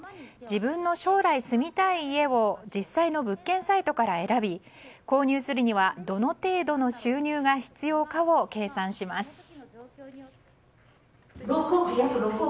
自分の将来住みたい家を実際の物件サイトから選び購入するにはどの程度の収入が必要かを計算します。